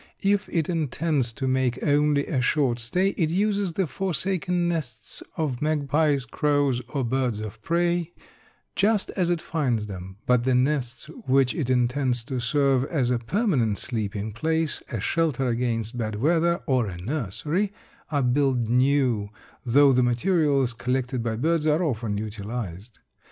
If it intends to make only a short stay, it uses the forsaken nests of magpies, crows, or birds of prey, just as it finds them, but the nests which it intends to serve as a permanent sleeping place, a shelter against bad weather or a nursery, are built new, though the materials collected by birds are often utilized.